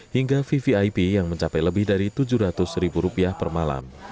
hingga vvip yang mencapai lebih dari rp tujuh ratus per malam